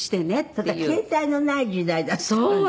ただ携帯のない時代だったので。